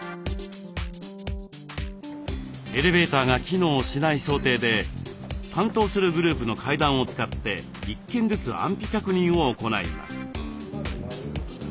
エレベーターが機能しない想定で担当するグループの階段を使って１軒ずつ安否確認を行います。